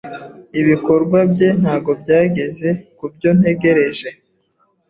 Ibikorwa bye ntabwo byageze kubyo ntegereje.